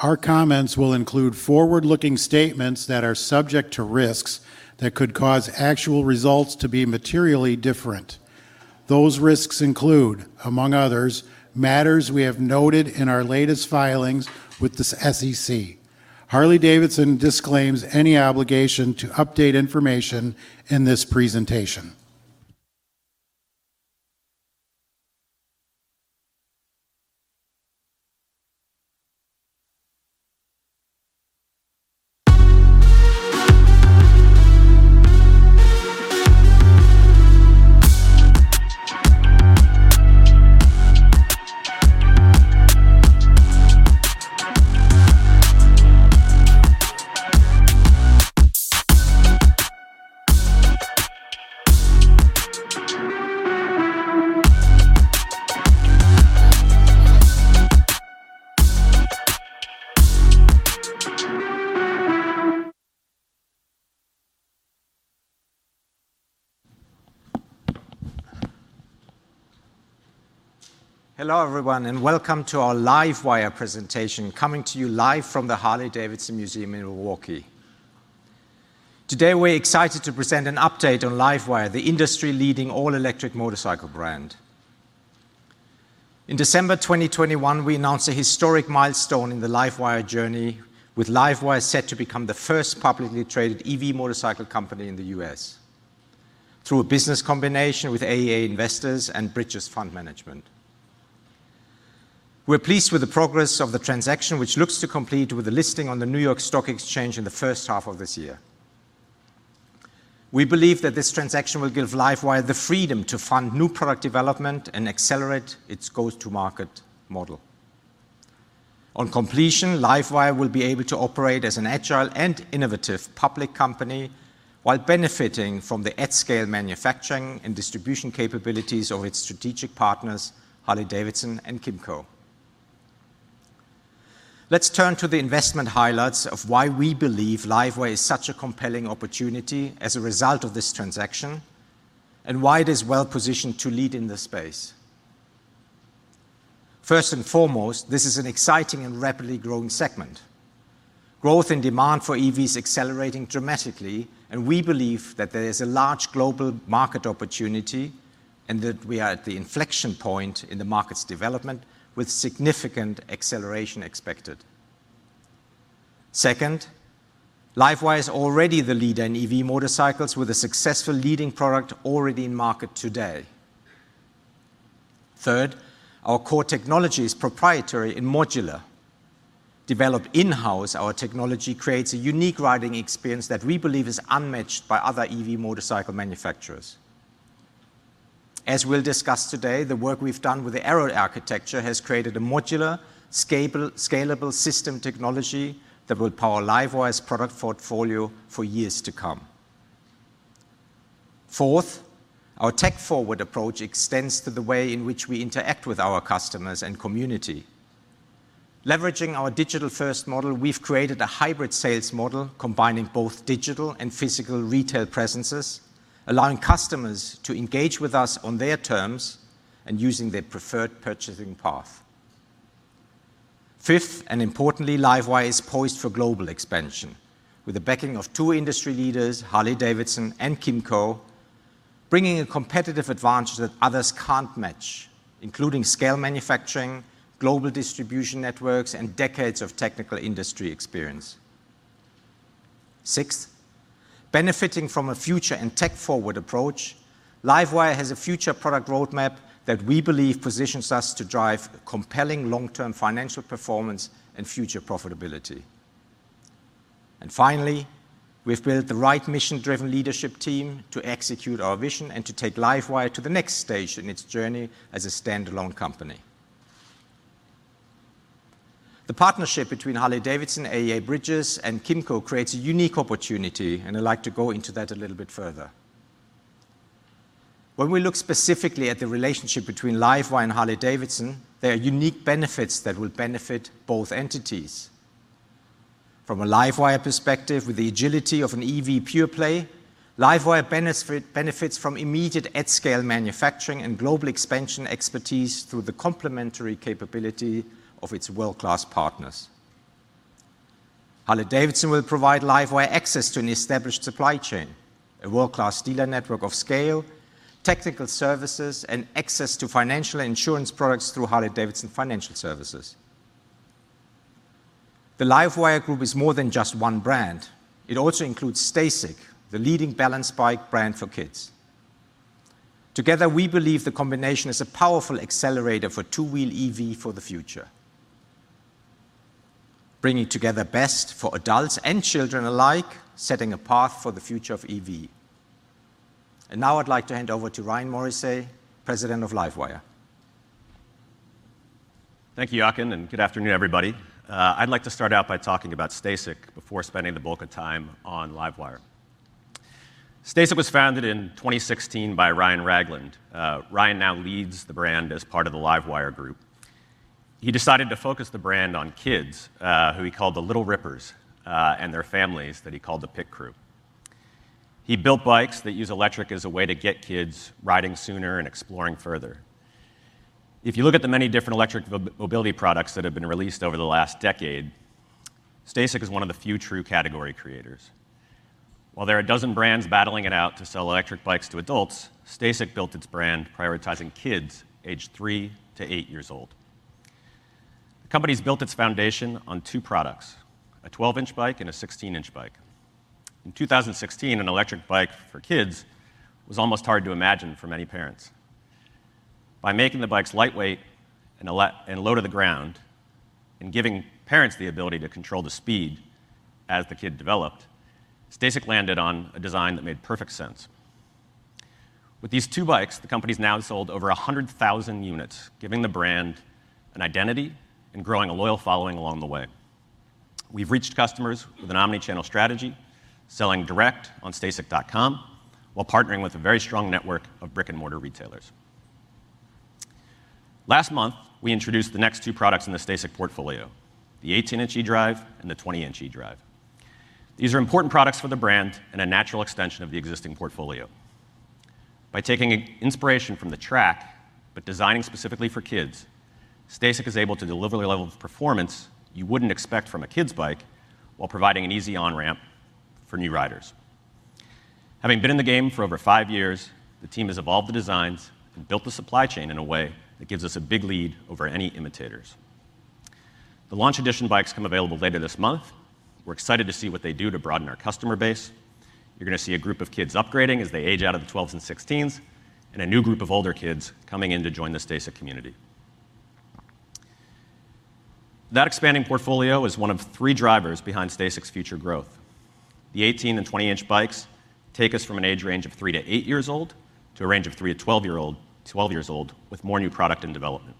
Our comments will include forward-looking statements that are subject to risks that could cause actual results to be materially different. Those risks include, among others, matters we have noted in our latest filings with the SEC. Harley-Davidson disclaims any obligation to update information in this presentation. Hello, everyone, and welcome to our LiveWire presentation, coming to you live from the Harley-Davidson Museum in Milwaukee. Today, we're excited to present an update on LiveWire, the industry-leading all-electric motorcycle brand. In December 2021, we announced a historic milestone in the LiveWire journey, with LiveWire set to become the first publicly traded EV motorcycle company in the U.S. through a business combination with AEA Investors and Bridges Fund Management. We're pleased with the progress of the transaction, which looks to complete with a listing on the New York Stock Exchange in the first half of this year. We believe that this transaction will give LiveWire the freedom to fund new product development and accelerate its go-to-market model. On completion, LiveWire will be able to operate as an agile and innovative public company while benefiting from the at-scale manufacturing and distribution capabilities of its strategic partners, Harley-Davidson and KYMCO. Let's turn to the investment highlights of why we believe LiveWire is such a compelling opportunity as a result of this transaction and why it is well-positioned to lead in this space. First and foremost, this is an exciting and rapidly growing segment. Growth and demand for EVs accelerating dramatically, and we believe that there is a large global market opportunity and that we are at the inflection point in the market's development with significant acceleration expected. Second, LiveWire is already the leader in EV motorcycles with a successful leading product already in market today. Third, our core technology is proprietary and modular. Developed in-house, our technology creates a unique riding experience that we believe is unmatched by other EV motorcycle manufacturers. As we'll discuss today, the work we've done with the Arrow architecture has created a modular, scalable system technology that will power LiveWire's product portfolio for years to come. Fourth, our tech-forward approach extends to the way in which we interact with our customers and community. Leveraging our digital-first model, we've created a hybrid sales model combining both digital and physical retail presences, allowing customers to engage with us on their terms and using their preferred purchasing path. Fifth, and importantly, LiveWire is poised for global expansion with the backing of two industry leaders, Harley-Davidson and KYMCO, bringing a competitive advantage that others can't match, including scale manufacturing, global distribution networks, and decades of technical industry experience. Sixth, benefiting from a future and tech-forward approach, LiveWire has a future product roadmap that we believe positions us to drive compelling long-term financial performance and future profitability. Finally, we've built the right mission-driven leadership team to execute our vision and to take LiveWire to the next stage in its journey as a standalone company. The partnership between Harley-Davidson, AEA, Bridges, and KYMCO creates a unique opportunity, and I'd like to go into that a little bit further. When we look specifically at the relationship between LiveWire and Harley-Davidson, there are unique benefits that will benefit both entities. From a LiveWire perspective, with the agility of an EV pure play, LiveWire benefits from immediate at-scale manufacturing and global expansion expertise through the complementary capability of its world-class partners. Harley-Davidson will provide LiveWire access to an established supply chain, a world-class dealer network of scale, technical services, and access to financial and insurance products through Harley-Davidson Financial Services. The LiveWire Group is more than just one brand. It also includes STACYC, the leading balance bike brand for kids. Together, we believe the combination is a powerful accelerator for two-wheel EV for the future, bringing together best for adults and children alike, setting a path for the future of EV. Now I'd like to hand over to Ryan Morrissey, President of LiveWire. Thank you, Jochen, and good afternoon, everybody. I'd like to start out by talking about STACYC before spending the bulk of time on LiveWire. STACYC was founded in 2016 by Ryan Ragland. Ryan now leads the brand as part of the LiveWire Group. He decided to focus the brand on kids, who he called the Little Rippers, and their families that he called the Pit Crew. He built bikes that use electric as a way to get kids riding sooner and exploring further. If you look at the many different electric mobility products that have been released over the last decade, STACYC is one of the few true category creators. While there are a dozen brands battling it out to sell electric bikes to adults, STACYC built its brand prioritizing kids aged 3-8 years old. The company's built its foundation on two products, a 12-inch bike and a 16-inch bike. In 2016, an electric bike for kids was almost hard to imagine for many parents. By making the bikes lightweight and low to the ground, and giving parents the ability to control the speed as the kid developed, STACYC landed on a design that made perfect sense. With these two bikes, the company's now sold over 100,000 units, giving the brand an identity and growing a loyal following along the way. We've reached customers with an omni-channel strategy, selling direct on stacyc.com while partnering with a very strong network of brick-and-mortar retailers. Last month, we introduced the next two products in the STACYC portfolio, the 18-inch eDrive and the 20-inch eDrive. These are important products for the brand and a natural extension of the existing portfolio. By taking inspiration from the track, but designing specifically for kids, STACYC is able to deliver the level of performance you wouldn't expect from a kids' bike while providing an easy on-ramp for new riders. Having been in the game for over five years, the team has evolved the designs and built the supply chain in a way that gives us a big lead over any imitators. The launch edition bikes come available later this month. We're excited to see what they do to broaden our customer base. You're gonna see a group of kids upgrading as they age out of the 12s and 16s, and a new group of older kids coming in to join the STACYC community. That expanding portfolio is one of three drivers behind STACYC's future growth. The 18- and 20-inch bikes take us from an age range of 3-8 years old to a range of 3-12 years old, with more new product in development.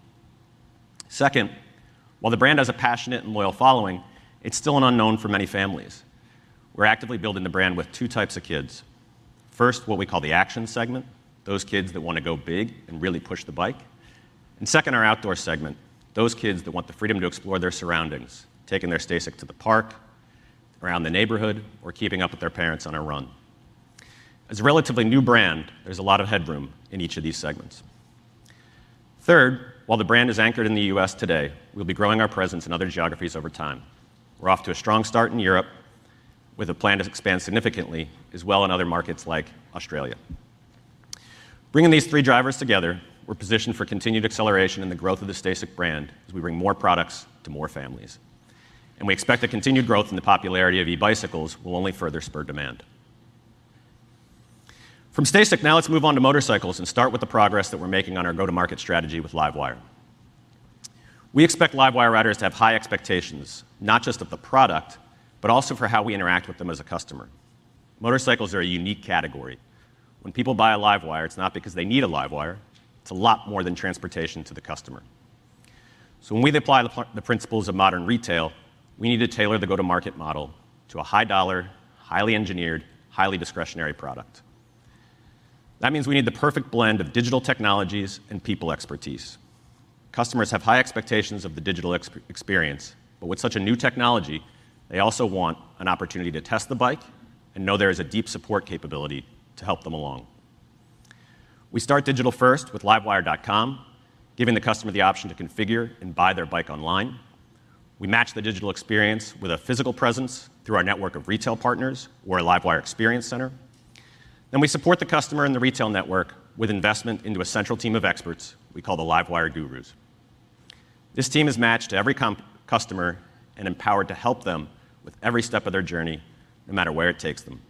Second, while the brand has a passionate and loyal following, it's still an unknown for many families. We're actively building the brand with two types of kids. First, what we call the action segment, those kids that wanna go big and really push the bike. Second, our outdoor segment, those kids that want the freedom to explore their surroundings, taking their STACYC to the park, around the neighborhood, or keeping up with their parents on a run. As a relatively new brand, there's a lot of headroom in each of these segments. Third, while the brand is anchored in the U.S. today, we'll be growing our presence in other geographies over time. We're off to a strong start in Europe, with a plan to expand significantly as well in other markets like Australia. Bringing these three drivers together, we're positioned for continued acceleration in the growth of the STACYC brand as we bring more products to more families, and we expect the continued growth in the popularity of e-bicycles will only further spur demand. From STACYC, now let's move on to motorcycles and start with the progress that we're making on our go-to-market strategy with LiveWire. We expect LiveWire riders to have high expectations, not just of the product, but also for how we interact with them as a customer. Motorcycles are a unique category. When people buy a LiveWire, it's not because they need a LiveWire, it's a lot more than transportation to the customer. When we apply the principles of modern retail, we need to tailor the go-to-market model to a high-dollar, highly engineered, highly discretionary product. That means we need the perfect blend of digital technologies and people expertise. Customers have high expectations of the digital experience, but with such a new technology, they also want an opportunity to test the bike and know there is a deep support capability to help them along. We start digital first with livewire.com, giving the customer the option to configure and buy their bike online. We match the digital experience with a physical presence through our network of retail partners or a LiveWire experience center. We support the customer and the retail network with investment into a central team of experts we call the LiveWire Gurus. This team is matched to every customer and empowered to help them with every step of their journey, no matter where it takes them.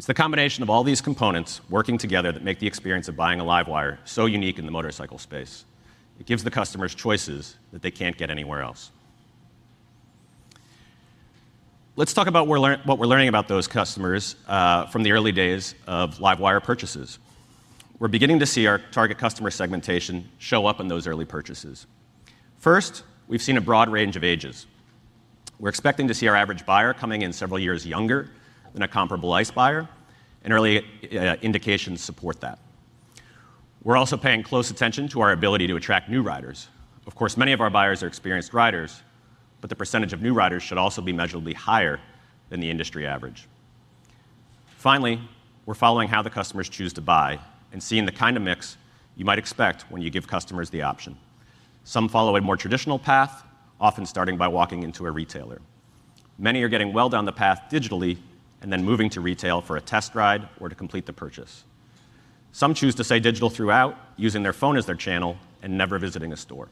It's the combination of all these components working together that make the experience of buying a LiveWire so unique in the motorcycle space. It gives the customers choices that they can't get anywhere else. Let's talk about what we're learning about those customers, from the early days of LiveWire purchases. We're beginning to see our target customer segmentation show up in those early purchases. First, we've seen a broad range of ages. We're expecting to see our average buyer coming in several years younger than a comparable Ice buyer, and early indications support that. We're also paying close attention to our ability to attract new riders. Of course, many of our buyers are experienced riders, but the percentage of new riders should also be measurably higher than the industry average. Finally, we're following how the customers choose to buy and seeing the kind of mix you might expect when you give customers the option. Some follow a more traditional path, often starting by walking into a retailer. Many are getting well down the path digitally and then moving to retail for a test ride or to complete the purchase. Some choose to stay digital throughout, using their phone as their channel and never visiting a store.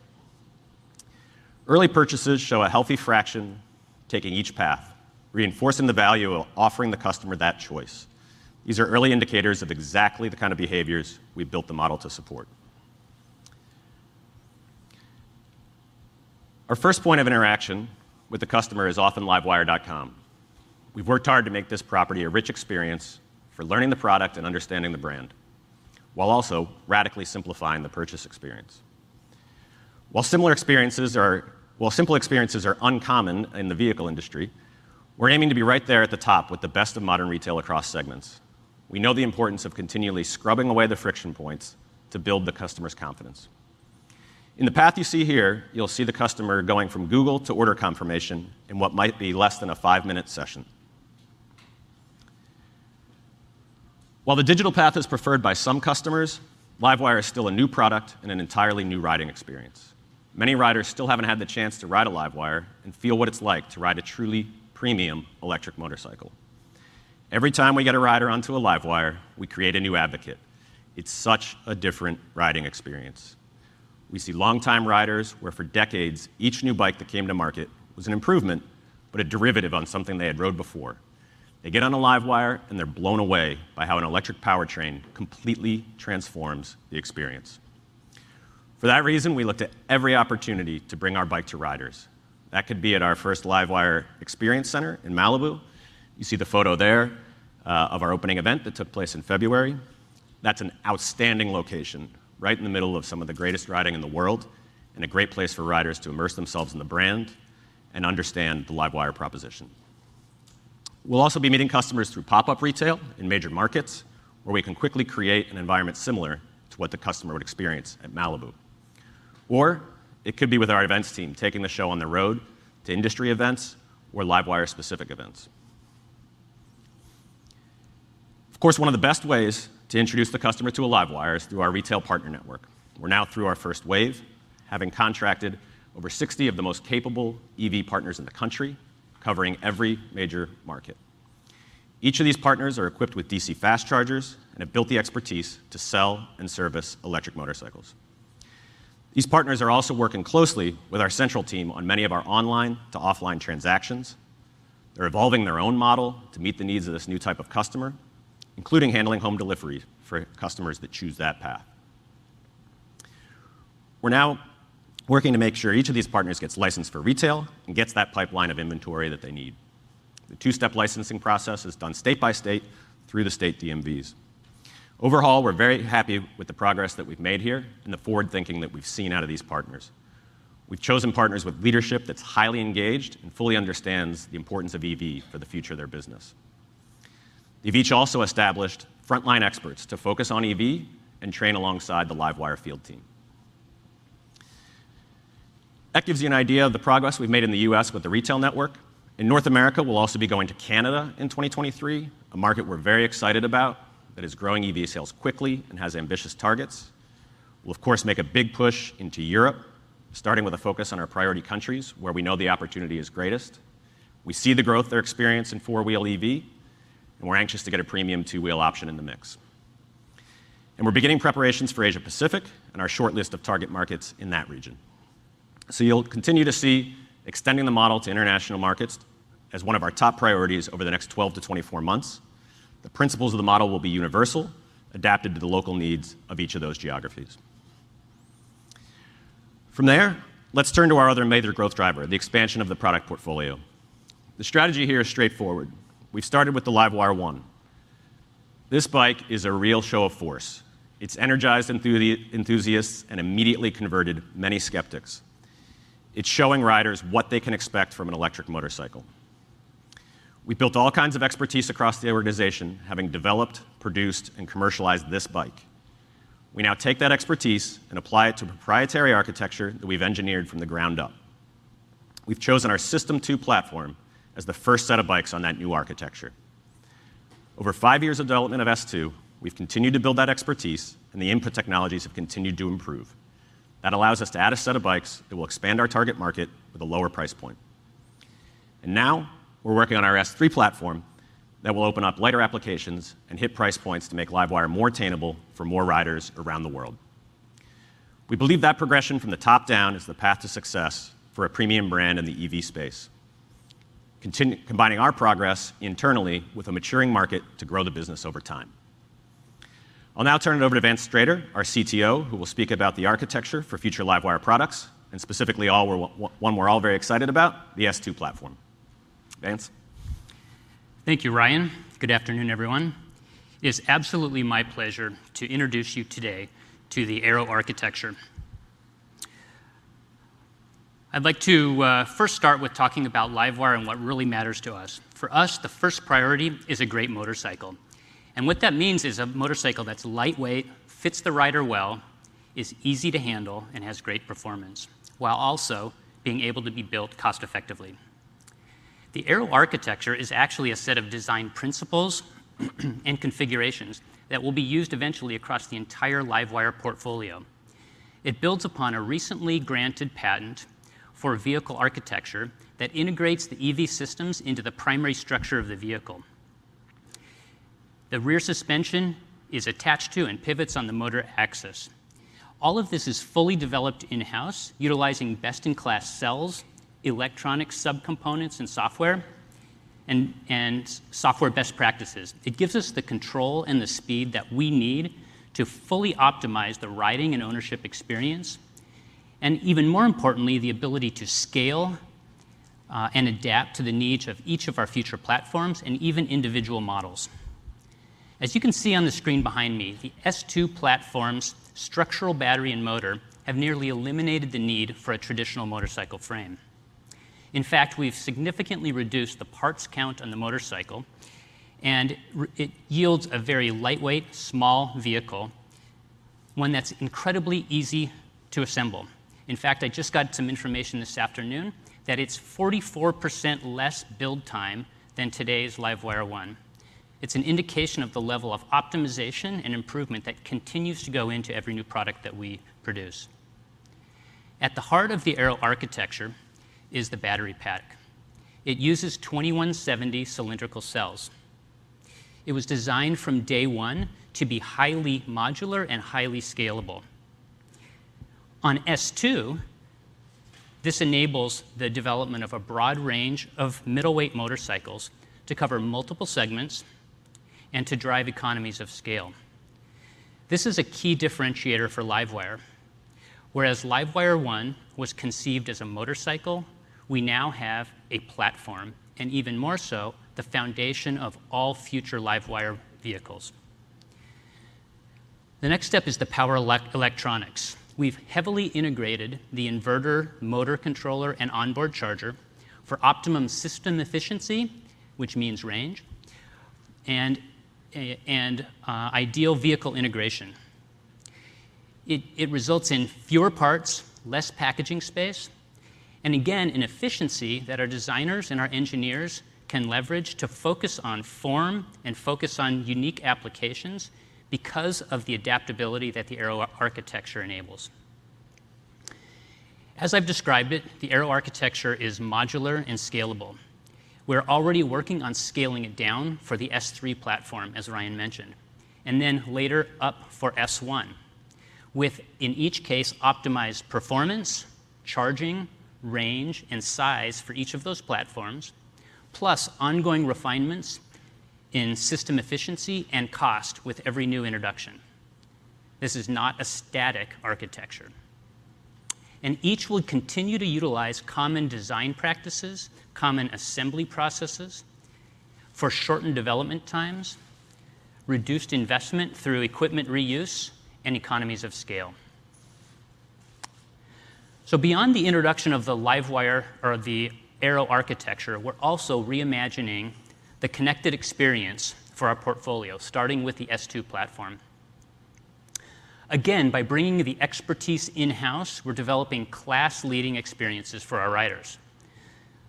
Early purchases show a healthy fraction taking each path, reinforcing the value of offering the customer that choice. These are early indicators of exactly the kind of behaviors we've built the model to support. Our first point of interaction with the customer is often livewire.com. We've worked hard to make this property a rich experience for learning the product and understanding the brand, while also radically simplifying the purchase experience. While simple experiences are uncommon in the vehicle industry, we're aiming to be right there at the top with the best of modern retail across segments. We know the importance of continually scrubbing away the friction points to build the customer's confidence. In the path you see here, you'll see the customer going from Google to order confirmation in what might be less than a five-minute session. While the digital path is preferred by some customers, LiveWire is still a new product and an entirely new riding experience. Many riders still haven't had the chance to ride a LiveWire and feel what it's like to ride a truly premium electric motorcycle. Every time we get a rider onto a LiveWire, we create a new advocate. It's such a different riding experience. We see longtime riders where for decades each new bike that came to market was an improvement, but a derivative on something they had rode before. They get on a LiveWire, and they're blown away by how an electric powertrain completely transforms the experience. For that reason, we looked at every opportunity to bring our bike to riders. That could be at our first LiveWire Experience Center in Malibu. You see the photo there, of our opening event that took place in February. That's an outstanding location, right in the middle of some of the greatest riding in the world and a great place for riders to immerse themselves in the brand and understand the LiveWire proposition. We'll also be meeting customers through pop-up retail in major markets where we can quickly create an environment similar to what the customer would experience at Malibu. It could be with our events team taking the show on the road to industry events or LiveWire-specific events. Of course, one of the best ways to introduce the customer to a LiveWire is through our retail partner network. We're now through our first wave, having contracted over 60 of the most capable EV partners in the country, covering every major market. Each of these partners are equipped with DC fast chargers and have built the expertise to sell and service electric motorcycles. These partners are also working closely with our central team on many of our online to offline transactions. They're evolving their own model to meet the needs of this new type of customer, including handling home delivery for customers that choose that path. We're now working to make sure each of these partners gets licensed for retail and gets that pipeline of inventory that they need. The two-step licensing process is done state by state through the state DMVs. Overall, we're very happy with the progress that we've made here and the forward-thinking that we've seen out of these partners. We've chosen partners with leadership that's highly engaged and fully understands the importance of EV for the future of their business. They've each also established frontline experts to focus on EV and train alongside the LiveWire field team. That gives you an idea of the progress we've made in the U.S. with the retail network. In North America, we'll also be going to Canada in 2023, a market we're very excited about that is growing EV sales quickly and has ambitious targets. We'll of course make a big push into Europe, starting with a focus on our priority countries where we know the opportunity is greatest. We see the growth they're experiencing in four-wheel EV, and we're anxious to get a premium two-wheel option in the mix. We're beginning preparations for Asia-Pacific and our short list of target markets in that region. You'll continue to see extending the model to international markets as one of our top priorities over the next 12-24 months. The principles of the model will be universal, adapted to the local needs of each of those geographies. From there, let's turn to our other major growth driver, the expansion of the product portfolio. The strategy here is straightforward. We've started with the LiveWire ONE. This bike is a real show of force. It's energized enthusiasts and immediately converted many skeptics. It's showing riders what they can expect from an electric motorcycle. We built all kinds of expertise across the organization, having developed, produced, and commercialized this bike. We now take that expertise and apply it to a proprietary architecture that we've engineered from the ground up. We've chosen our S2 platform as the first set of bikes on that new architecture. Over five years of development of S2, we've continued to build that expertise, and the input technologies have continued to improve. That allows us to add a set of bikes that will expand our target market with a lower price point. Now we're working on our S3 platform that will open up lighter applications and hit price points to make LiveWire more attainable for more riders around the world. We believe that progression from the top down is the path to success for a premium brand in the EV space, combining our progress internally with a maturing market to grow the business over time. I'll now turn it over to Vance Strader, our CTO, who will speak about the architecture for future LiveWire products, and specifically one we're all very excited about, the S2 platform. Vance? Thank you, Ryan. Good afternoon, everyone. It is absolutely my pleasure to introduce you today to the Arrow architecture. I'd like to first start with talking about LiveWire and what really matters to us. For us, the first priority is a great motorcycle, and what that means is a motorcycle that's lightweight, fits the rider well, is easy to handle, and has great performance while also being able to be built cost-effectively. The Arrow architecture is actually a set of design principles and configurations that will be used eventually across the entire LiveWire portfolio. It builds upon a recently granted patent for a vehicle architecture that integrates the EV systems into the primary structure of the vehicle. The rear suspension is attached to and pivots on the motor axis. All of this is fully developed in-house, utilizing best-in-class cells, electronic subcomponents and software, and software best practices. It gives us the control and the speed that we need to fully optimize the riding and ownership experience and, even more importantly, the ability to scale, and adapt to the needs of each of our future platforms and even individual models. As you can see on the screen behind me, the S2 platform's structural battery and motor have nearly eliminated the need for a traditional motorcycle frame. In fact, we've significantly reduced the parts count on the motorcycle, and it yields a very lightweight, small vehicle, one that's incredibly easy to assemble. In fact, I just got some information this afternoon that it's 44% less build time than today's LiveWire ONE. It's an indication of the level of optimization and improvement that continues to go into every new product that we produce. At the heart of the Arrow architecture is the battery pack. It uses 2170 cylindrical cells. It was designed from day one to be highly modular and highly scalable. On S2, this enables the development of a broad range of middleweight motorcycles to cover multiple segments and to drive economies of scale. This is a key differentiator for LiveWire. Whereas LiveWire ONE was conceived as a motorcycle, we now have a platform, and even more so, the foundation of all future LiveWire vehicles. The next step is the power electronics. We've heavily integrated the inverter, motor controller, and onboard charger for optimum system efficiency, which means range, and ideal vehicle integration. It results in fewer parts, less packaging space, and again, an efficiency that our designers and our engineers can leverage to focus on form and focus on unique applications because of the adaptability that the Arrow architecture enables. As I've described it, the Arrow architecture is modular and scalable. We're already working on scaling it down for the S3 platform, as Ryan mentioned, and then later up for S1, with, in each case, optimized performance, charging, range, and size for each of those platforms, plus ongoing refinements in system efficiency and cost with every new introduction. This is not a static architecture. Each will continue to utilize common design practices, common assembly processes for shortened development times, reduced investment through equipment reuse, and economies of scale. Beyond the introduction of the LiveWire or the Arrow architecture, we're also reimagining the connected experience for our portfolio, starting with the S2 platform. Again, by bringing the expertise in-house, we're developing class-leading experiences for our riders.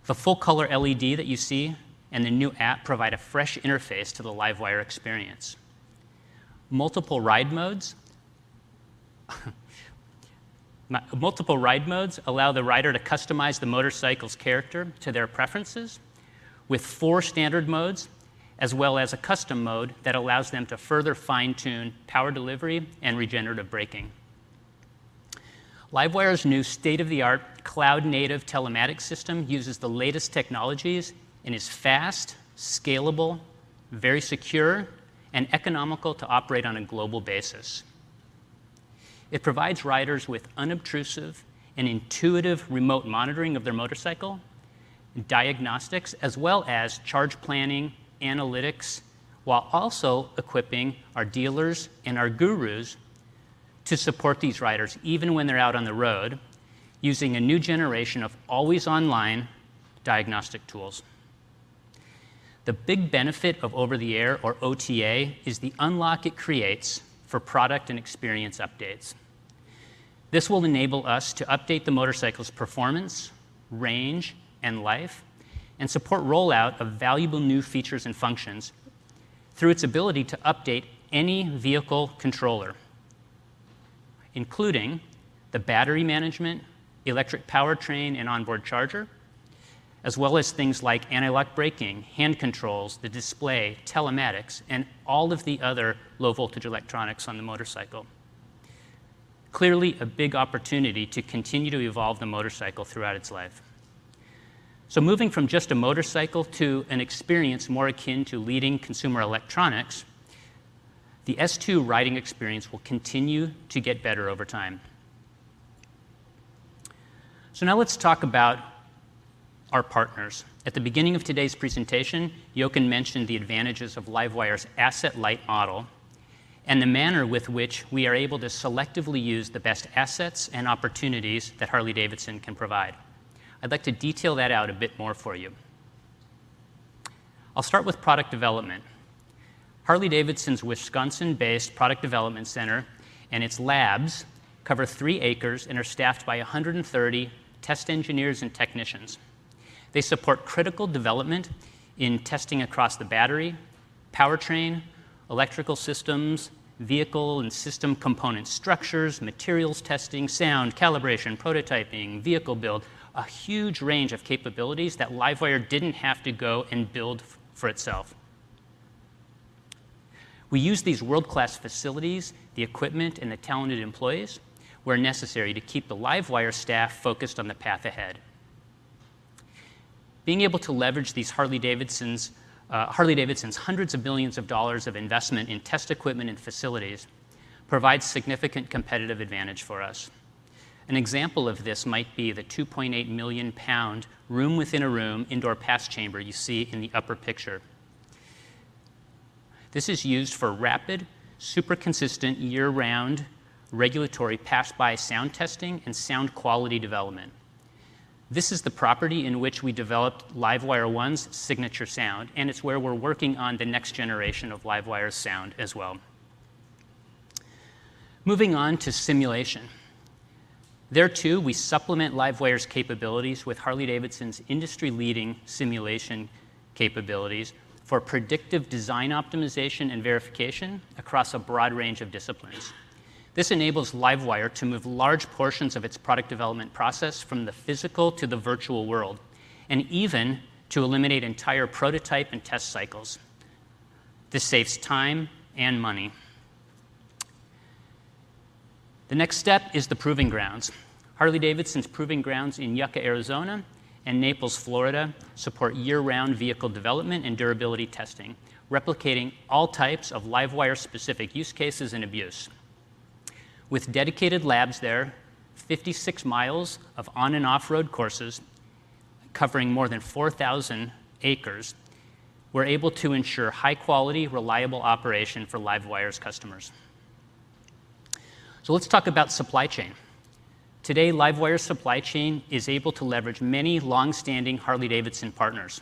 The full-color LED that you see and the new app provide a fresh interface to the LiveWire experience. Multiple ride modes allow the rider to customize the motorcycle's character to their preferences with four standard modes, as well as a custom mode that allows them to further fine-tune power delivery and regenerative braking. LiveWire's new state-of-the-art cloud-native telematics system uses the latest technologies and is fast, scalable, very secure, and economical to operate on a global basis. It provides riders with unobtrusive and intuitive remote monitoring of their motorcycle, diagnostics, as well as charge planning, analytics, while also equipping our dealers and our Gurus to support these riders even when they're out on the road using a new generation of always online diagnostic tools. The big benefit of over-the-air, or OTA, is the unlock it creates for product and experience updates. This will enable us to update the motorcycle's performance, range, and life and support rollout of valuable new features and functions through its ability to update any vehicle controller, including the battery management, electric powertrain, and onboard charger, as well as things like anti-lock braking, hand controls, the display, telematics, and all of the other low-voltage electronics on the motorcycle. Clearly, a big opportunity to continue to evolve the motorcycle throughout its life. Moving from just a motorcycle to an experience more akin to leading consumer electronics, the S2 riding experience will continue to get better over time. Now let's talk about our partners. At the beginning of today's presentation, Jochen mentioned the advantages of LiveWire's asset-light model and the manner with which we are able to selectively use the best assets and opportunities that Harley-Davidson can provide. I'd like to detail that out a bit more for you. I'll start with product development. Harley-Davidson's Wisconsin-based product development center and its labs cover 3 acres and are staffed by 130 test engineers and technicians. They support critical development in testing across the battery, powertrain, electrical systems, vehicle and system component structures, materials testing, sound calibration, prototyping, vehicle build, a huge range of capabilities that LiveWire didn't have to go and build for itself. We use these world-class facilities, the equipment, and the talented employees where necessary to keep the LiveWire staff focused on the path ahead. Being able to leverage these Harley-Davidson's hundreds of billions of dollars of investment in test equipment and facilities provides significant competitive advantage for us. An example of this might be the 2.8 million pound room-within-a-room indoor pass chamber you see in the upper picture. This is used for rapid, super consistent, year-round regulatory pass-by sound testing and sound quality development. This is the property in which we developed LiveWire ONE's signature sound, and it's where we're working on the next generation of LiveWire's sound as well. Moving on to simulation. There, too, we supplement LiveWire's capabilities with Harley-Davidson's industry-leading simulation capabilities for predictive design optimization and verification across a broad range of disciplines. This enables LiveWire to move large portions of its product development process from the physical to the virtual world, and even to eliminate entire prototype and test cycles. This saves time and money. The next step is the proving grounds. Harley-Davidson's proving grounds in Yucca, Arizona, and Naples, Florida, support year-round vehicle development and durability testing, replicating all types of LiveWire-specific use cases and abuse. With dedicated labs there, 56 miles of on and off-road courses covering more than 4,000 acres, we're able to ensure high quality, reliable operation for LiveWire's customers. Let's talk about supply chain. Today, LiveWire's supply chain is able to leverage many longstanding Harley-Davidson partners,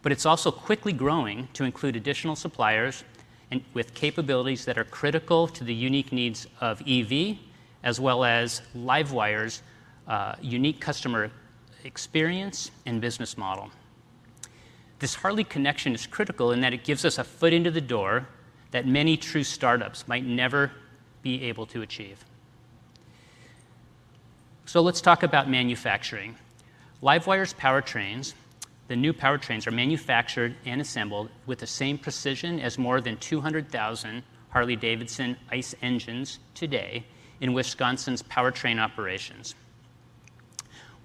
but it's also quickly growing to include additional suppliers and with capabilities that are critical to the unique needs of EV as well as LiveWire's unique customer experience and business model. This Harley connection is critical in that it gives us a foot into the door that many true startups might never be able to achieve. Let's talk about manufacturing. LiveWire's powertrains, the new powertrains are manufactured and assembled with the same precision as more than 200,000 Harley-Davidson Ice engines today in Wisconsin's powertrain operations.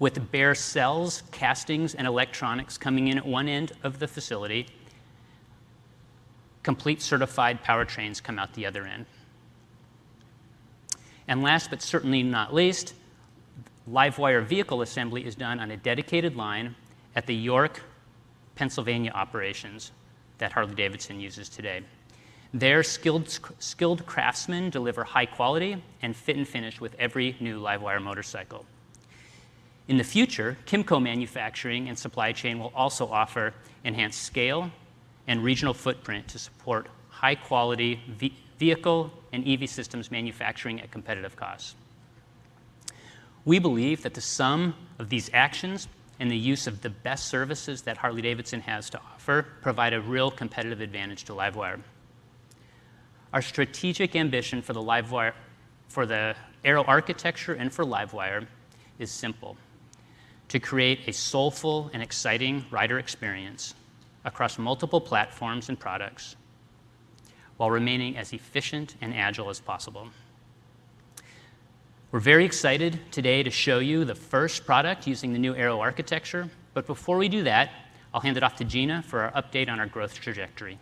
With bare cells, castings, and electronics coming in at one end of the facility, complete certified powertrains come out the other end. Last but certainly not least, LiveWire vehicle assembly is done on a dedicated line at the York, Pennsylvania operations that Harley-Davidson uses today. Their skilled craftsmen deliver high quality and fit and finish with every new LiveWire motorcycle. In the future, KYMCO manufacturing and supply chain will also offer enhanced scale and regional footprint to support high-quality vehicle and EV systems manufacturing at competitive costs. We believe that the sum of these actions and the use of the best services that Harley-Davidson has to offer provide a real competitive advantage to LiveWire. Our strategic ambition for the Arrow architecture and for LiveWire is simple, to create a soulful and exciting rider experience across multiple platforms and products while remaining as efficient and agile as possible. We're very excited today to show you the first product using the new Arrow architecture. Before we do that, I'll hand it off to Gina for our update on our growth trajectory.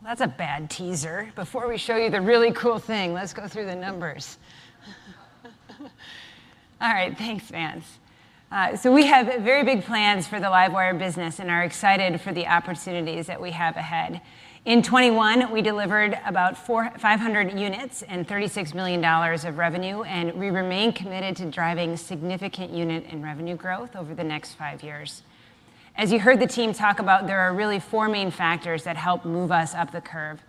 Well, that's a bad teaser. Before we show you the really cool thing, let's go through the numbers. All right. Thanks, Vance. So we have very big plans for the LiveWire business and are excited for the opportunities that we have ahead. In 2021, we delivered about 500 units and $36 million of revenue, and we remain committed to driving significant unit and revenue growth over the next 5 years. As you heard the team talk about, there are really 4 main factors that help move us up the curve.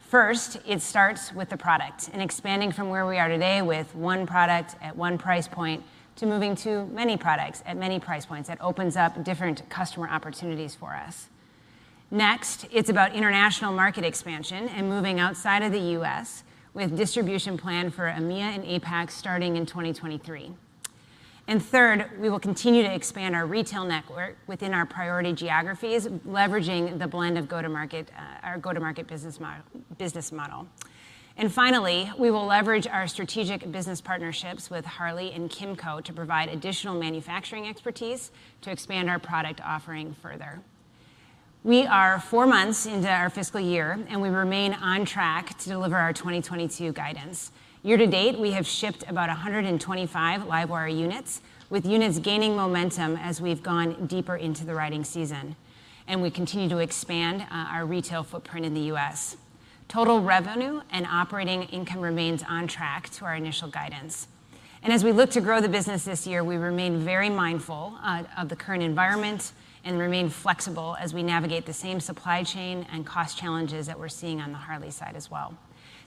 First, it starts with the product and expanding from where we are today with 1 product at 1 price point to moving to many products at many price points. That opens up different customer opportunities for us. Next, it's about international market expansion and moving outside of the U.S. with distribution plan for EMEA and APAC starting in 2023. Third, we will continue to expand our retail network within our priority geographies, leveraging the blend of go-to-market, our go-to-market business model. Finally, we will leverage our strategic business partnerships with Harley and KYMCO to provide additional manufacturing expertise to expand our product offering further. We are four months into our fiscal year, and we remain on track to deliver our 2022 guidance. Year to date, we have shipped about 125 LiveWire units, with units gaining momentum as we've gone deeper into the riding season, and we continue to expand our retail footprint in the U.S. Total revenue and operating income remains on track to our initial guidance. As we look to grow the business this year, we remain very mindful of the current environment and remain flexible as we navigate the same supply chain and cost challenges that we're seeing on the Harley side as well.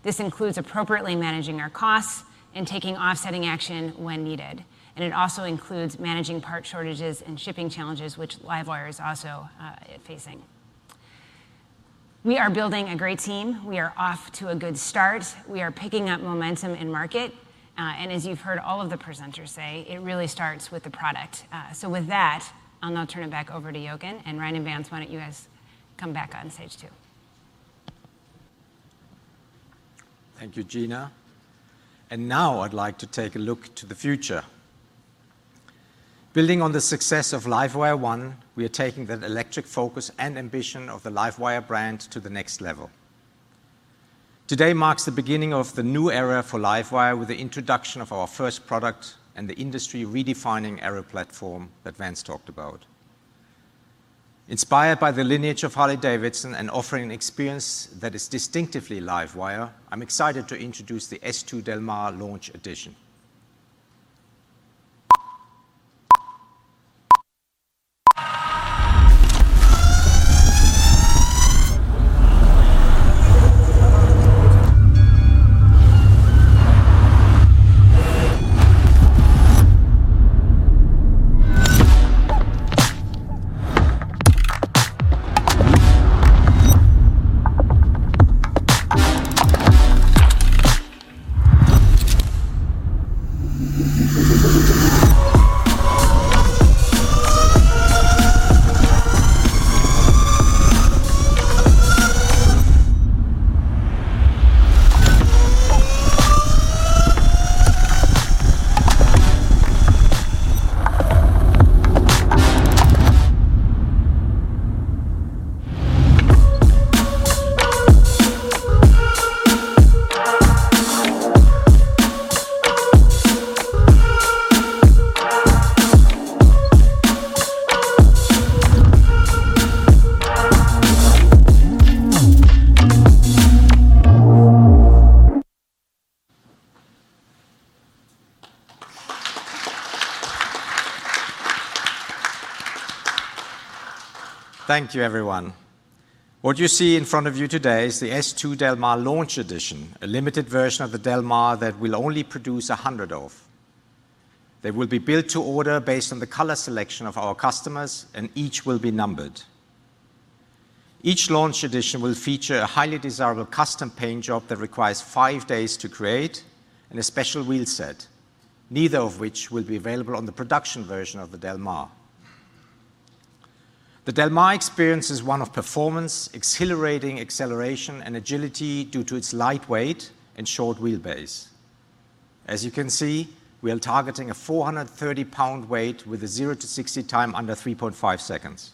This includes appropriately managing our costs and taking offsetting action when needed, and it also includes managing part shortages and shipping challenges which LiveWire is also facing. We are building a great team. We are off to a good start. We are picking up momentum in market, and as you've heard all of the presenters say, it really starts with the product. So with that, I'll now turn it back over to Jochen. Ryan and Vance, why don't you guys come back on stage too? Thank you, Gina. Now I'd like to take a look to the future. Building on the success of LiveWire ONE, we are taking the electric focus and ambition of the LiveWire brand to the next level. Today marks the beginning of the new era for LiveWire with the introduction of our first product and the industry redefining Arrow platform that Vance talked about. Inspired by the lineage of Harley-Davidson and offering an experience that is distinctively LiveWire, I'm excited to introduce the S2 Del Mar Launch Edition. Thank you everyone. What you see in front of you today is the S2 Del Mar Launch Edition, a limited version of the Del Mar that we'll only produce 100 of. They will be built to order based on the color selection of our customers, and each will be numbered. Each Launch Edition will feature a highly desirable custom paint job that requires 5 days to create and a special wheel set, neither of which will be available on the production version of the Del Mar. The Del Mar experience is one of performance, exhilarating acceleration, and agility due to its light weight and short wheel base. As you can see, we are targeting a 430-pound weight with a 0-60 time under 3.5 seconds.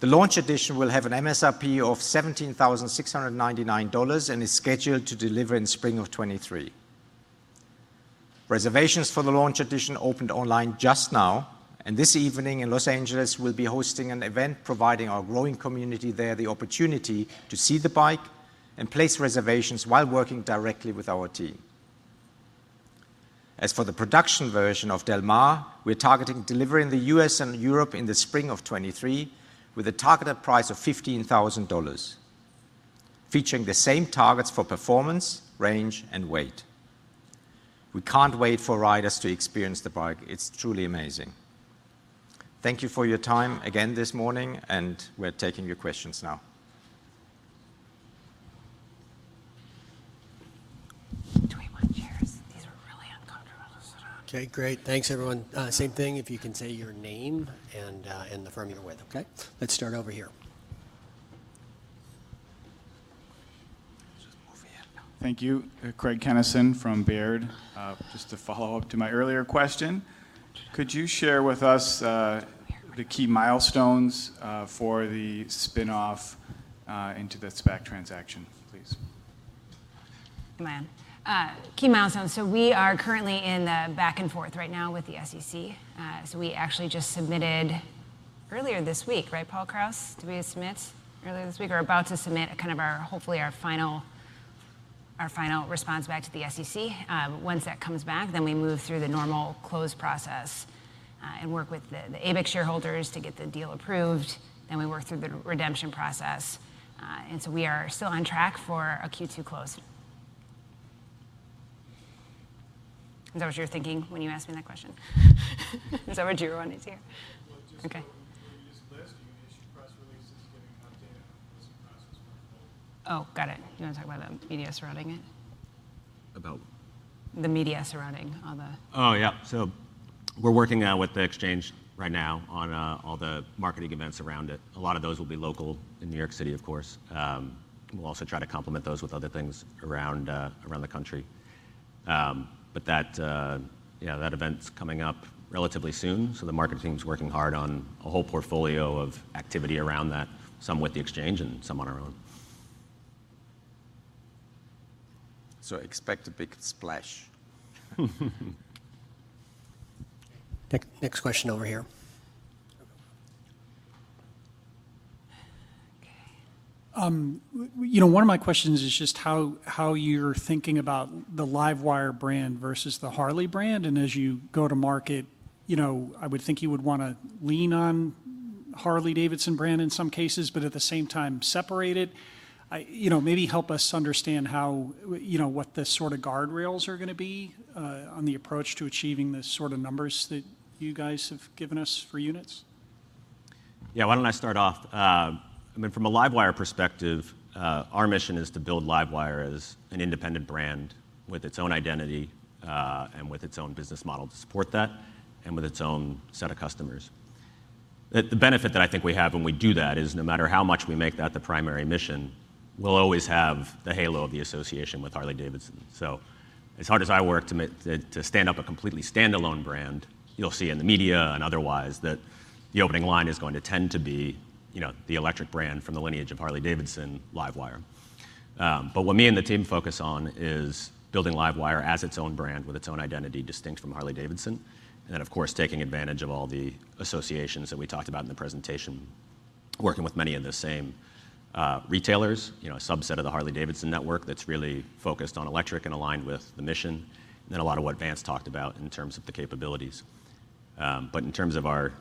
The Launch Edition will have an MSRP of $17,699 and is scheduled to deliver in spring of 2023. Reservations for the Launch Edition opened online just now, and this evening in Los Angeles we'll be hosting an event providing our growing community there the opportunity to see the bike and place reservations while working directly with our team. As for the production version of Del Mar, we're targeting delivery in the U.S. and Europe in the spring of 2023 with a targeted price of $15,000, featuring the same targets for performance, range, and weight. We can't wait for riders to experience the bike. It's truly amazing. Thank you for your time again this morning, and we're taking your questions now. Do we want chairs? These are really uncomfortable to sit on. Okay, great. Thanks everyone. Same thing, if you can say your name and the firm you're with. Okay? Let's start over here. Thank you. Craig Kennison from Baird. Just to follow up to my earlier question, could you share with us the key milestones for the spinoff into the SPAC transaction, please? Am I on? Key milestones. We are currently in the back and forth right now with the SEC. We actually just submitted earlier this week, right, Paul Krause? Did we submit earlier this week or are about to submit kind of our, hopefully our final response back to the SEC. Once that comes back, we move through the normal close process, and work with the ABIC shareholders to get the deal approved, then we work through the redemption process. We are still on track for a Q2 close. Is that what you were thinking when you asked me that question? Is that what you were wanting to hear? Well, just so- Okay When you list, do you issue press releases giving an update on the listing process going forward? Oh, got it. You wanna talk about the media surrounding it? About? The media surrounding all the. We're working with the exchange right now on all the marketing events around it. A lot of those will be local, in New York City of course. We'll also try to complement those with other things around the country. That, you know, that event's coming up relatively soon, so the marketing team's working hard on a whole portfolio of activity around that, some with the exchange and some on our own. Expect a big splash. Next question over here. Okay. You know, one of my questions is just how you're thinking about the LiveWire brand versus the Harley-Davidson brand. As you go to market, you know, I would think you would wanna lean on Harley-Davidson brand in some cases, but at the same time separate it. You know, maybe help us understand how, you know, what the sort of guardrails are gonna be on the approach to achieving the sort of numbers that you guys have given us for units. Yeah, why don't I start off? I mean, from a LiveWire perspective, our mission is to build LiveWire as an independent brand with its own identity, and with its own business model to support that and with its own set of customers. The benefit that I think we have when we do that is no matter how much we make that the primary mission, we'll always have the halo of the association with Harley-Davidson. As hard as I work to stand up a completely standalone brand, you'll see in the media and otherwise that the opening line is going to tend to be, you know, the electric brand from the lineage of Harley-Davidson, LiveWire. But what me and the team focus on is building LiveWire as its own brand with its own identity distinct from Harley-Davidson, and of course, taking advantage of all the associations that we talked about in the presentation, working with many of the same retailers, you know, a subset of the Harley-Davidson network that's really focused on electric and aligned with the mission, and then a lot of what Vance talked about in terms of the capabilities. In terms of our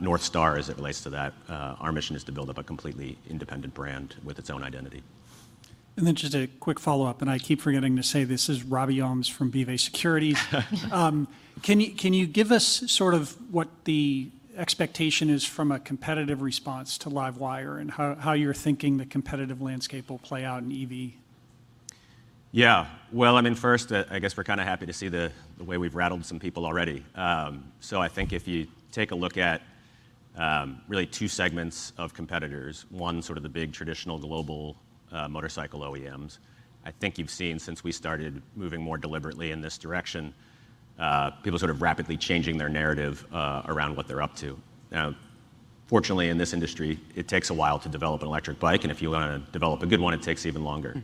North Star as it relates to that, our mission is to build up a completely independent brand with its own identity. Just a quick follow-up, I keep forgetting to say this is Robin Farley from UBS. Can you give us sort of what the expectation is from a competitive response to LiveWire and how you're thinking the competitive landscape will play out in EV? Yeah. Well, I mean, first, I guess we're kinda happy to see the way we've rattled some people already. I think if you take a look at really two segments of competitors, one, sort of the big traditional global motorcycle OEMs, I think you've seen since we started moving more deliberately in this direction, people sort of rapidly changing their narrative around what they're up to. Now, fortunately, in this industry, it takes a while to develop an electric bike, and if you wanna develop a good one, it takes even longer.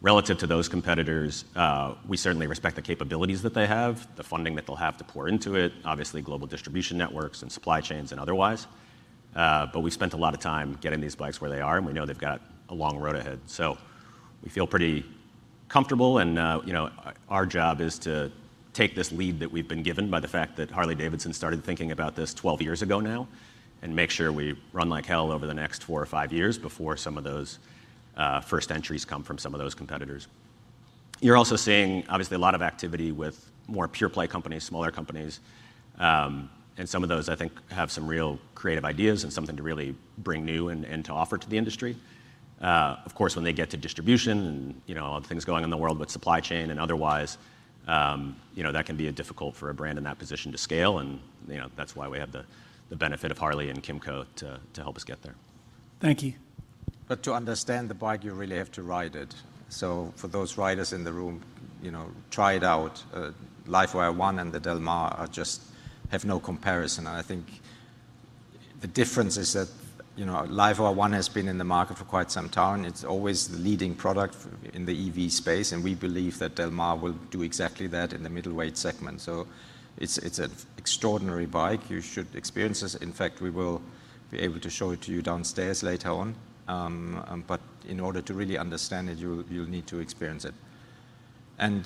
Relative to those competitors, we certainly respect the capabilities that they have, the funding that they'll have to pour into it, obviously global distribution networks and supply chains and otherwise. We've spent a lot of time getting these bikes where they are, and we know they've got a long road ahead. We feel pretty comfortable. You know, our job is to take this lead that we've been given by the fact that Harley-Davidson started thinking about this 12 years ago now, and make sure we run like hell over the next 4 or 5 years before some of those first entries come from some of those competitors. You're also seeing obviously a lot of activity with more pure play companies, smaller companies, and some of those I think have some real creative ideas and something to really bring new and to offer to the industry. Of course, when they get to distribution and, you know, all the things going on in the world with supply chain and otherwise, you know, that can be difficult for a brand in that position to scale. You know, that's why we have the benefit of Harley and KYMCO to help us get there. Thank you. To understand the bike, you really have to ride it. For those riders in the room, you know, try it out. LiveWire ONE and the Del Mar have no comparison. I think the difference is that, you know, LiveWire ONE has been in the market for quite some time. It's always the leading product in the EV space, and we believe that Del Mar will do exactly that in the middleweight segment. It's an extraordinary bike. You should experience this. In fact, we will be able to show it to you downstairs later on. In order to really understand it, you'll need to experience it.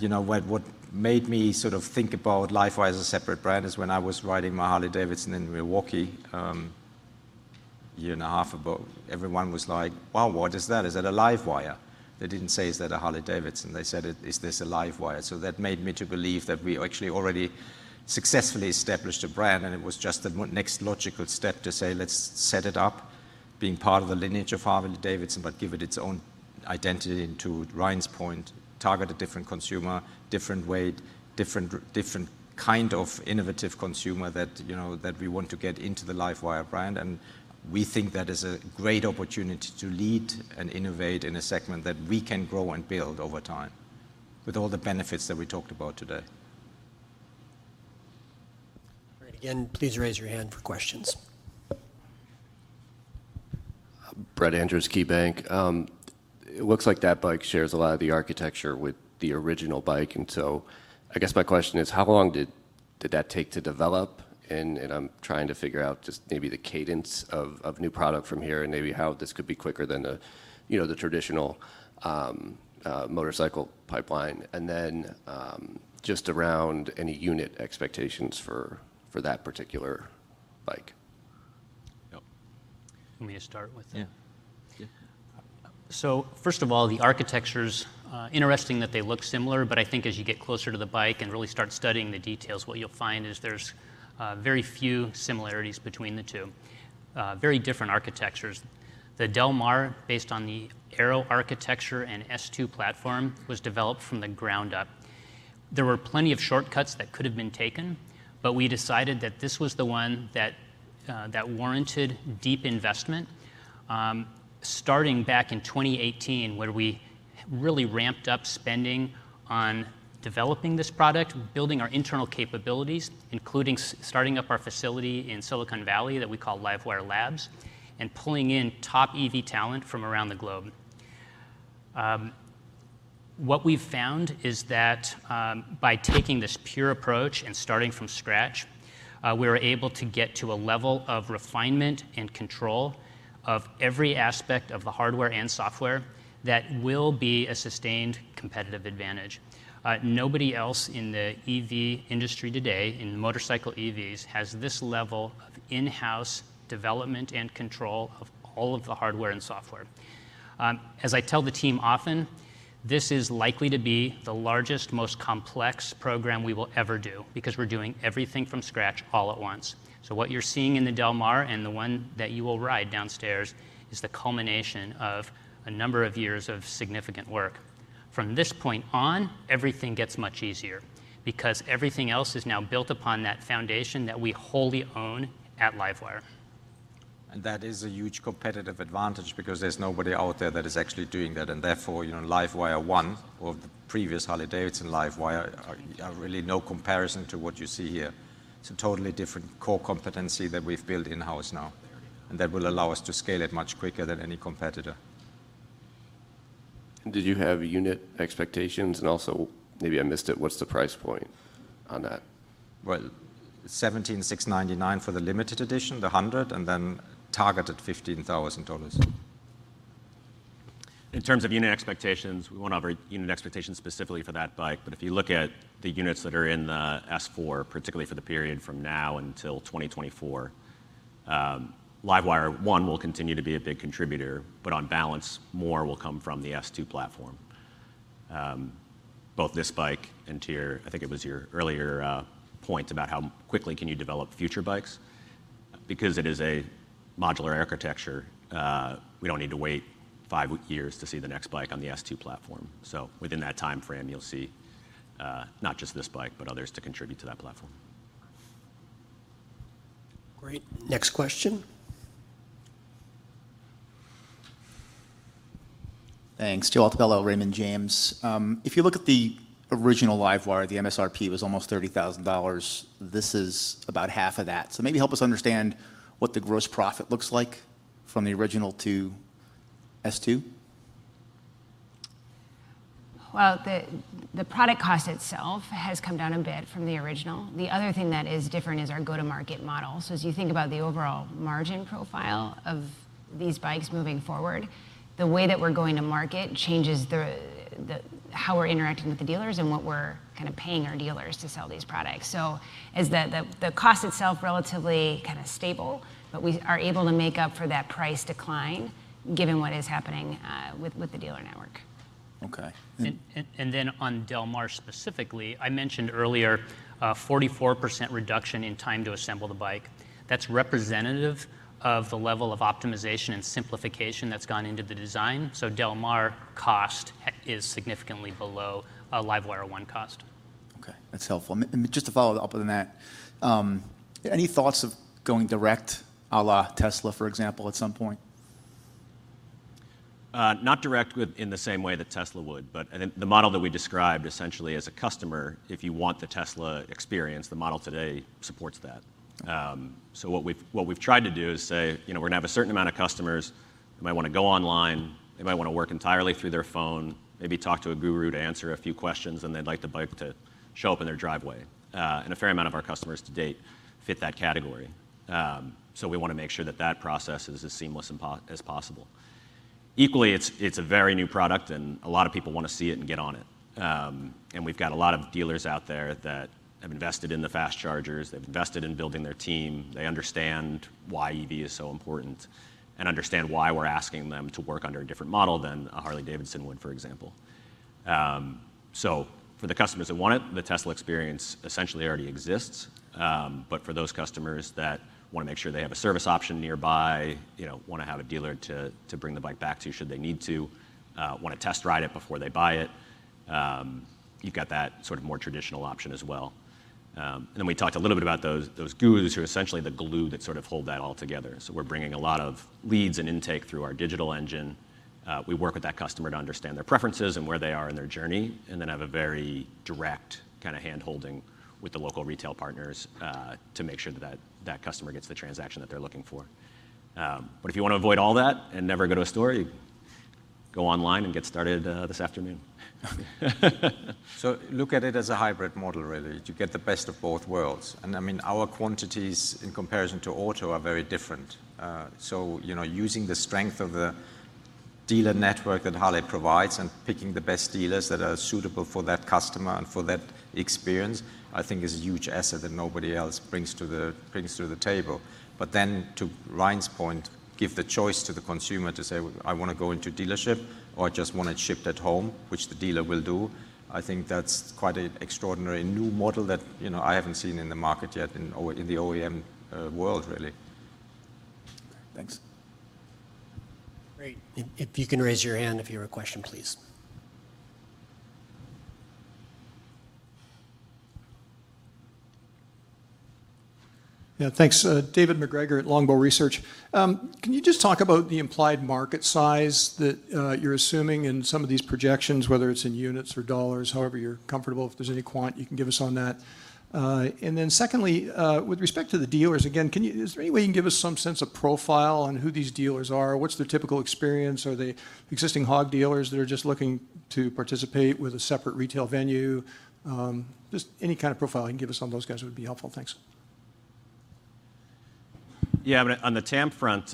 You know what made me sort of think about LiveWire as a separate brand is when I was riding my Harley-Davidson in Milwaukee, a year and a half ago, everyone was like: "Wow, what is that? Is that a LiveWire?" They didn't say, "Is that a Harley-Davidson?" They said, "Is this a LiveWire?" So that made me to believe that we actually already successfully established a brand, and it was just the next logical step to say, let's set it up being part of the lineage of Harley-Davidson, but give it its own identity and, to Ryan's point, target a different consumer, different weight, different kind of innovative consumer that, you know, that we want to get into the LiveWire brand. We think that is a great opportunity to lead and innovate in a segment that we can grow and build over time with all the benefits that we talked about today. All right. Again, please raise your hand for questions. Brett Andress, KeyBanc Capital Markets. It looks like that bike shares a lot of the architecture with the original bike, and so I guess my question is, how long did that take to develop? I'm trying to figure out just maybe the cadence of new product from here and maybe how this could be quicker than the, you know, the traditional motorcycle pipeline. Just around any unit expectations for that particular bike. Yep. You want me to start with it? Yeah. Yeah. First of all, the architecture's interesting that they look similar, but I think as you get closer to the bike and really start studying the details, what you'll find is there's very few similarities between the two. Very different architectures. The Del Mar, based on the Arrow architecture and S2 platform, was developed from the ground up. There were plenty of shortcuts that could have been taken, but we decided that this was the one that that warranted deep investment, starting back in 2018 where we really ramped up spending on developing this product, building our internal capabilities, including starting up our facility in Silicon Valley that we call LiveWire Labs, and pulling in top EV talent from around the globe. What we've found is that, by taking this pure approach and starting from scratch, we were able to get to a level of refinement and control of every aspect of the hardware and software that will be a sustained competitive advantage. Nobody else in the EV industry today, in motorcycle EVs, has this level of in-house development and control of all of the hardware and software. As I tell the team often, this is likely to be the largest, most complex program we will ever do because we're doing everything from scratch all at once. What you're seeing in the Del Mar and the one that you will ride downstairs is the culmination of a number of years of significant work. From this point on, everything gets much easier because everything else is now built upon that foundation that we wholly own at LiveWire. That is a huge competitive advantage because there's nobody out there that is actually doing that, and therefore, you know, LiveWire ONE or the previous Harley-Davidson LiveWire are really no comparison to what you see here. It's a totally different core competency that we've built in-house now, and that will allow us to scale it much quicker than any competitor. Did you have unit expectations? Maybe I missed it, what's the price point on that? Well, $17,699 for the limited edition, the 100, and then targeted $15,000. In terms of unit expectations, we won't offer unit expectations specifically for that bike. If you look at the units that are in the S4, particularly for the period from now until 2024, LiveWire ONE will continue to be a big contributor. On balance, more will come from the S2 platform. Both this bike and your earlier point about how quickly you can develop future bikes. Because it is a modular architecture, we don't need to wait five years to see the next bike on the S2 platform. Within that timeframe, you'll see, not just this bike, but others to contribute to that platform. Great. Next question. Thanks. Joseph Altobello, Raymond James. If you look at the original LiveWire, the MSRP was almost $30,000. This is about half of that. Maybe help us understand what the gross profit looks like from the original to S2. Well, the product cost itself has come down a bit from the original. The other thing that is different is our go-to-market model. As you think about the overall margin profile of these bikes moving forward, the way that we're going to market changes how we're interacting with the dealers and what we're kinda paying our dealers to sell these products. Is the cost itself relatively kinda stable, but we are able to make up for that price decline given what is happening with the dealer network. Okay. On Del Mar specifically, I mentioned earlier a 44% reduction in time to assemble the bike. That's representative of the level of optimization and simplification that's gone into the design. Del Mar cost is significantly below a LiveWire ONE cost. Okay. That's helpful. Just to follow up on that, any thoughts of going direct à la Tesla, for example, at some point? Not direct in the same way that Tesla would, but then the model that we described essentially as a customer, if you want the Tesla experience, the model today supports that. What we've tried to do is say, you know, we're gonna have a certain amount of customers that might wanna go online, they might wanna work entirely through their phone, maybe talk to a guru to answer a few questions, and they'd like the bike to show up in their driveway. A fair amount of our customers to date fit that category. We wanna make sure that that process is as seamless as possible. Equally, it's a very new product, and a lot of people wanna see it and get on it. We've got a lot of dealers out there that have invested in the fast chargers, they've invested in building their team, they understand why EV is so important and understand why we're asking them to work under a different model than a Harley-Davidson would, for example. For the customers that want it, the Tesla experience essentially already exists. For those customers that wanna make sure they have a service option nearby, you know, wanna have a dealer to bring the bike back to should they need to, wanna test ride it before they buy it, you've got that sort of more traditional option as well. Then we talked a little bit about those Gurus who are essentially the glue that sort of hold that all together. We're bringing a lot of leads and intake through our digital engine. We work with that customer to understand their preferences and where they are in their journey, and then have a very direct kinda hand-holding with the local retail partners, to make sure that customer gets the transaction that they're looking for. If you wanna avoid all that and never go to a store, you can go online and get started this afternoon. Look at it as a hybrid model really, to get the best of both worlds. I mean, our quantities in comparison to auto are very different. You know, using the strength of the dealer network that Harley provides and picking the best dealers that are suitable for that customer and for that experience, I think is a huge asset that nobody else brings to the table. Then to Ryan's point, give the choice to the consumer to say, "Well, I wanna go into dealership," or, "I just want it shipped at home," which the dealer will do. I think that's quite an extraordinary new model that, you know, I haven't seen in the market yet in the OEM world really. Thanks. Great. If you can raise your hand if you have a question, please. Yeah. Thanks. David MacGregor at Longbow Research. Can you just talk about the implied market size that you're assuming in some of these projections, whether it's in units or dollars, however you're comfortable, if there's any quant you can give us on that? Secondly, with respect to the dealers, again, is there any way you can give us some sense of profile on who these dealers are? What's their typical experience? Are they existing hog dealers that are just looking to participate with a separate retail venue? Just any kind of profile you can give us on those guys would be helpful. Thanks. Yeah. On the TAM front,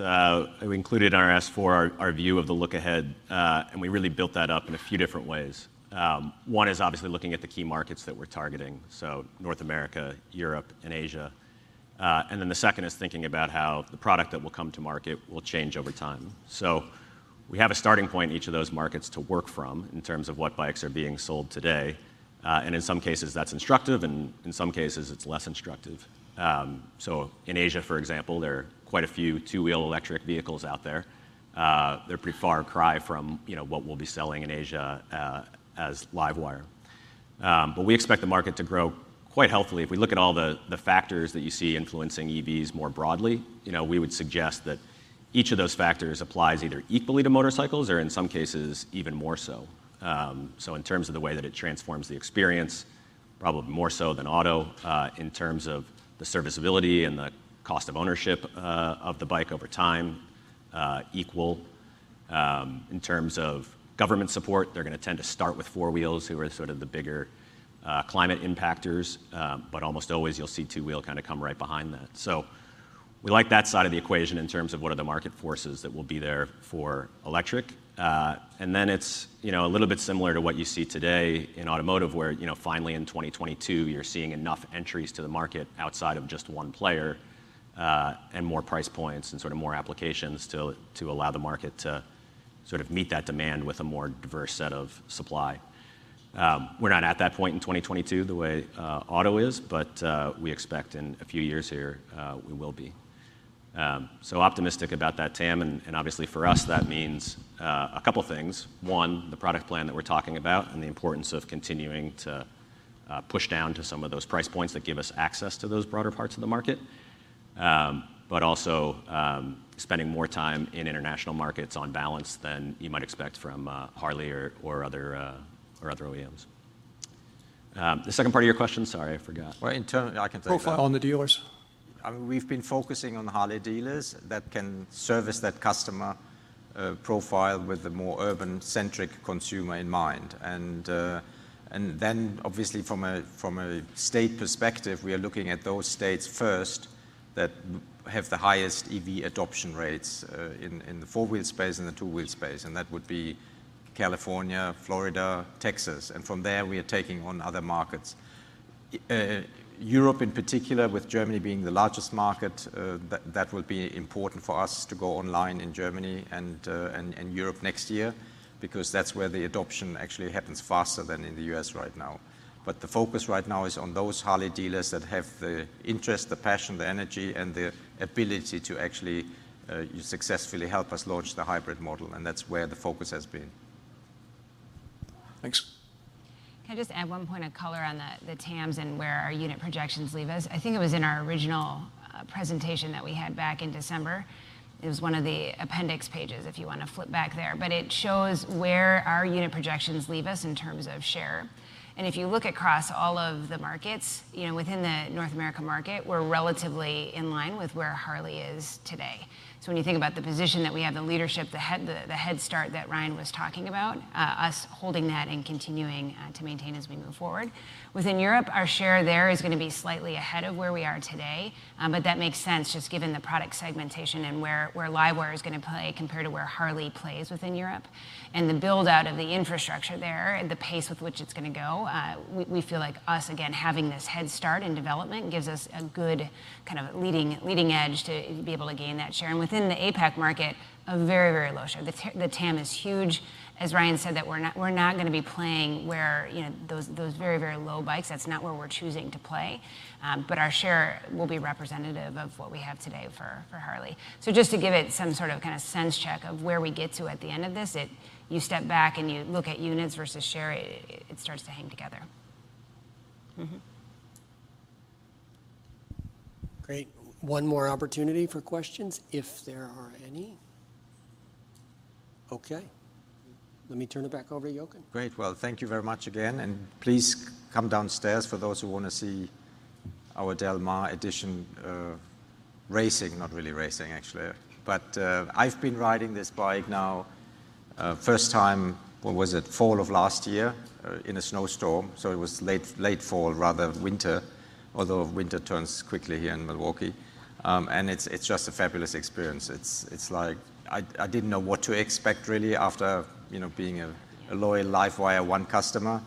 we included in our S-4 our view of the look-ahead, and we really built that up in a few different ways. One is obviously looking at the key markets that we're targeting, so North America, Europe, and Asia. The second is thinking about how the product that will come to market will change over time. We have a starting point in each of those markets to work from in terms of what bikes are being sold today. In some cases that's instructive, and in some cases it's less instructive. In Asia, for example, there are quite a few two-wheel electric vehicles out there. They're a pretty far cry from, you know, what we'll be selling in Asia, as LiveWire. We expect the market to grow quite healthily. If we look at all the factors that you see influencing EVs more broadly, you know, we would suggest that each of those factors applies either equally to motorcycles or in some cases even more so. In terms of the way that it transforms the experience, probably more so than auto, in terms of the serviceability and the cost of ownership of the bike over time, equal. In terms of government support, they're gonna tend to start with four wheels, who are sort of the bigger climate impactors, but almost always you'll see two-wheel kind of come right behind that. We like that side of the equation in terms of what are the market forces that will be there for electric. It's, you know, a little bit similar to what you see today in automotive, where, you know, finally in 2022 you're seeing enough entries to the market outside of just one player, and more price points and sort of more applications to allow the market to sort of meet that demand with a more diverse set of supply. We're not at that point in 2022 the way auto is, but we expect in a few years here, we will be. Optimistic about that TAM, and obviously for us that means a couple things. One, the product plan that we're talking about and the importance of continuing to push down to some of those price points that give us access to those broader parts of the market. Also, spending more time in international markets on balance than you might expect from Harley or other OEMs. The second part of your question? Sorry, I forgot. Well, in turn, I can take that. Profile on the dealers. I mean, we've been focusing on Harley dealers that can service that customer profile with the more urban-centric consumer in mind. Then obviously from a state perspective, we are looking at those states first that have the highest EV adoption rates in the four-wheel space and the two-wheel space, and that would be California, Florida, Texas. From there, we are taking on other markets. Europe in particular with Germany being the largest market that will be important for us to go online in Germany and Europe next year because that's where the adoption actually happens faster than in the U.S. right now. The focus right now is on those Harley dealers that have the interest, the passion, the energy, and the ability to actually successfully help us launch the hybrid model, and that's where the focus has been. Thanks. Can I just add one point of color on the TAMs and where our unit projections leave us? I think it was in our original presentation that we had back in December. It was one of the appendix pages if you wanna flip back there. It shows where our unit projections leave us in terms of share. If you look across all of the markets, you know, within the North America market, we're relatively in line with where Harley is today. When you think about the position that we have, the leadership, the head start that Ryan was talking about, us holding that and continuing to maintain as we move forward. Within Europe, our share there is gonna be slightly ahead of where we are today, but that makes sense just given the product segmentation and where LiveWire is gonna play compared to where Harley plays within Europe. The build-out of the infrastructure there, the pace with which it's gonna go, we feel like us again having this head start in development gives us a good kind of leading edge to be able to gain that share. Within the APAC market, a very low share. The TAM is huge. As Ryan said, that we're not gonna be playing where, you know, those very low bikes. That's not where we're choosing to play, but our share will be representative of what we have today for Harley. just to give it some sort of kind of sense check of where we get to at the end of this, it, you step back and you look at units versus share, it starts to hang together. Mm-hmm. Great. One more opportunity for questions if there are any. Okay. Let me turn it back over to Jochen. Great. Well, thank you very much again, and please come downstairs for those who wanna see our Del Mar edition, racing. Not really racing actually. I've been riding this bike now, first time, what was it? Fall of last year, in a snowstorm, so it was late fall rather winter, although winter turns quickly here in Milwaukee. It's just a fabulous experience. It's like I didn't know what to expect really after, you know, being a loyal LiveWire ONE customer,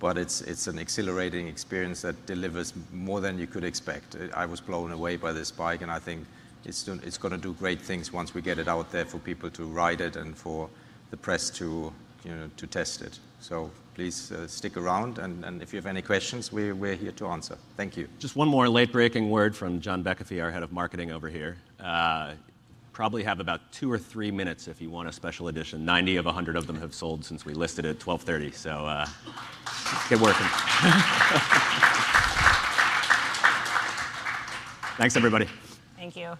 but it's an exhilarating experience that delivers more than you could expect. I was blown away by this bike, and I think it's gonna do great things once we get it out there for people to ride it and for the press to, you know, to test it. Please, stick around, and if you have any questions, we're here to answer. Thank you. Just one more late-breaking word from Jon Bekefy, our Head of Marketing over here. Probably have about two or three minutes if you want a special edition. 90 of 100 of them have sold since we listed at 12:30. Get working. Thanks, everybody. Thank you.